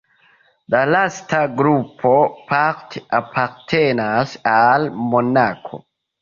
La lasta grupo parte apartenas al Monako.